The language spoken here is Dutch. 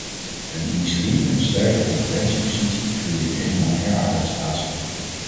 Een industrie met een sterke concurrentiepositie creëert nu eenmaal meer arbeidsplaatsen.